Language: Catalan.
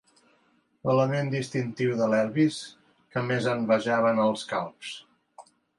L'element distintiu de l'Elvis que més envejaven els calbs.